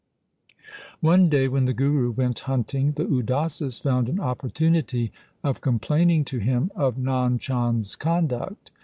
One day, when the Guru went hunting, the Udasis found an opportunity of complaining to him of Nand Chand's conduct.